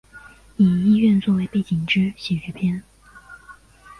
以医院作为背景之喜剧片。